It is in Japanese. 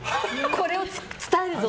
これを伝えるぞ！